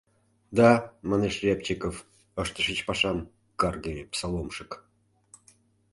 — Да, манеш Рябчиков, ыштышыч пашам, каргыме псаломшык!